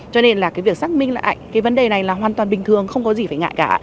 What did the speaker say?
cho nên là cái việc xác minh lại cái vấn đề này là hoàn toàn bình thường không có gì phải ngại cả